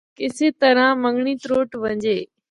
کسے طرحاں منگڑی تُرٹ ونجے۔